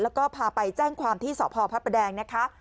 แล้วก็พาไปแจ้งความที่สพพระประแดงนะคะ